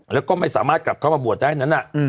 แล้วก็ไม่สามารถกลับเข้ามาบวชได้นั้น